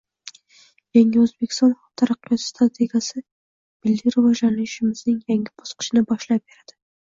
Yangi O‘zbekiston taraqqiyot strategiyasi milliy rivojlanishimizning yangi bosqichini boshlab berading